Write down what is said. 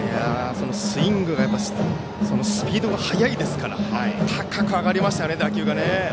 スイングがスピードが速いですから高く上がりましたよね、打球が。